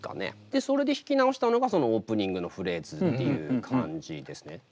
でそれで弾き直したのがそのオープニングのフレーズっていう感じですね。